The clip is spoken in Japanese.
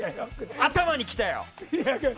頭にきたよ！